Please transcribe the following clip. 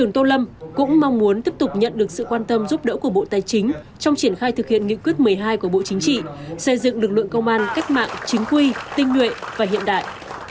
tô lâm cũng mong muốn tiếp tục nhận được sự quan tâm giúp đỡ của bộ tài chính trong triển khai thực hiện nghị quyết một mươi hai của bộ chính trị xây dựng lực lượng công an cách mạng chính quy tinh nguyện và hiện đại